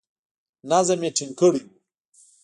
نظم یې ټینګ کړی وو.